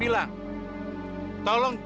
bareng absolument meniru